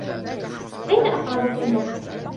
أين أقرب فندق ؟